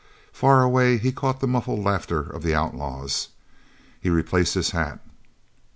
Far away he caught the muffled laughter of the outlaws. He replaced his hat.